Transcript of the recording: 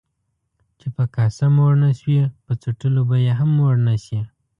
چي په کاسه موړ نسوې ، په څټلو به يې هم موړ نسې.